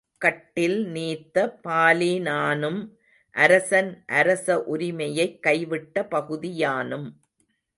கட்டில் நீத்த பாலினானும் அரசன் அரச உரிமையைக் கைவிட்ட பகுதியானும்.